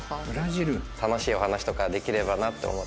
楽しいお話とかできればなって思ってます。